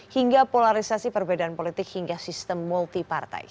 hingga polarisasi perbedaan politik hingga sistem multipartai